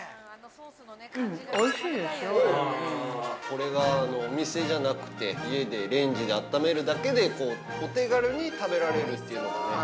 ◆これがお店じゃなくて、家でレンジであっためるだけでお手軽に食べられるというのがね。